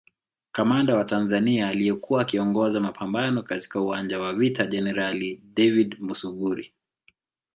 Kamanda wa Tanzania aliyekuwa akiongoza mapambano katika uwanja wa vita Jenerali David Musuguri